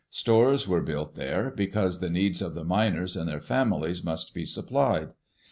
Stores were built there, because the needs of the miners and their families must be supplied.